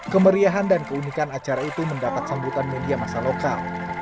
kemeriahan dan keunikan acara itu mendapat sambutan media masa lokal